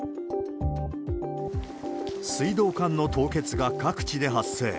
水道管の凍結が各地で発生。